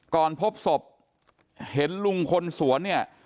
ก่อนพบศพเห็นลุงคนสวนเนี่ย